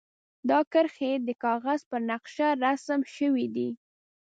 دا کرښې د کاغذ پر نقشه رسم شوي دي.